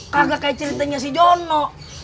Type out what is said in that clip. kagak kayak ceritanya si jono